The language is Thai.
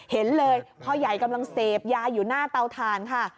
เห็นเลยพ่อใหญ่กำลังเสพยาอยู่หน้าเตาถ่านค่ะ